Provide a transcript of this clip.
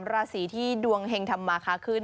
ราศีที่ดวงเห็งธรรมาคาขึ้น